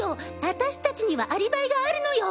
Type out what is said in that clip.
あたしたちにはアリバイがあるのよ！